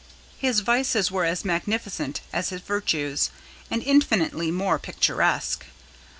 His vices were as magnificent as his virtues, and infinitely more picturesque.